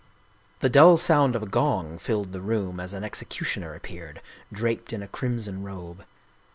The dull sound of a gong filled the room as an execu tioner appeared, draped in a crimson robe.